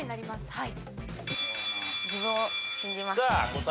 はい。